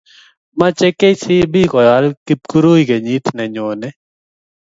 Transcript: Mache kcb koyal kipkirui kenyit nenyone